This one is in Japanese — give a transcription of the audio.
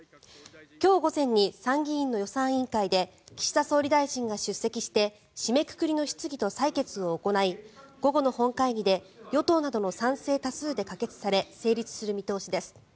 今日午前に参議院の予算委員会で岸田総理大臣が出席して締めくくりの質疑と採決を行い午後の本会議で与党などの賛成多数で可決され成立する見通しです。